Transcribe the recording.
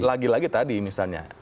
lagi lagi tadi misalnya